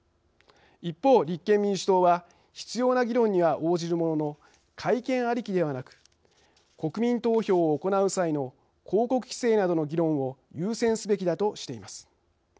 一方立憲民主党は必要な議論には応じるものの改憲ありきではなく国民投票を行う際の広告規制などの議論を優先すべきだとしています。